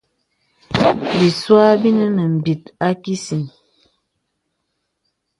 Bìsua bìnə nə̀ m̀bìt a kìsìn.